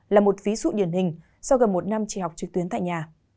là một ví dụ điển hình sau gần một năm chỉ học trực tuyến tại nhà